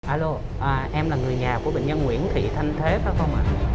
alo em là người nhà của bệnh nhân nguyễn thị thanh thế phải không ạ